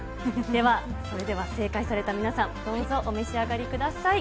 では、それでは正解された皆さん、どうぞ、お召し上がりください。